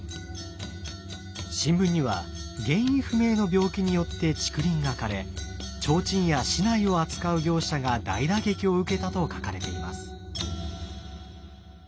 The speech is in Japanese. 新聞には原因不明の病気によって竹林が枯れ提灯や竹刀を扱う業者が大打撃を受けたと書かれています。